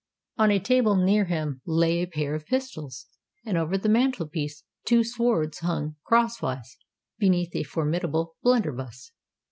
On the table near him lay a pair of pistols; and over the mantelpiece two swords hung cross wise, beneath a formidable blunderbuss.